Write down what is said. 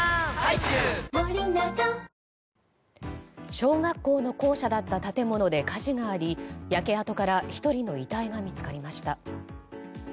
小学校の校舎だった建物で火事があり焼け跡から１人の遺体が見つかりました。